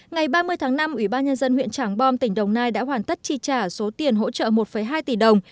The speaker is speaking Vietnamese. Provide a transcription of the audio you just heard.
ngày ba mươi tháng năm ủy ban nhân dân huyện trảng bom tỉnh đồng nai đã hoàn tất chi trả số tiền hỗ trợ một hai tỷ đồng